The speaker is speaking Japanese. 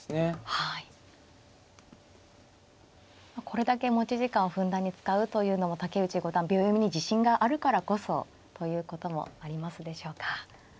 これだけ持ち時間をふんだんに使うというのも竹内五段秒読みに自信があるからこそということもありますでしょうか。